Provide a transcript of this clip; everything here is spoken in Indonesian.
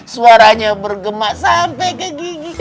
suaranya bergemak sampe ke gigi